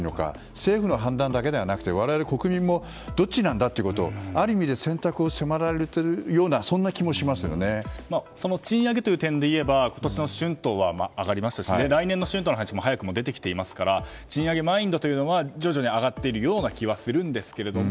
政府の判断だけではなくて我々、国民もどっちなんだということをある意味、選択を迫られているその賃上げという点でいえば今年の春闘は上がりましたし来年の春闘の話も早くも出ていますから賃上げマインドは徐々に上がっているような気はするんですけれども。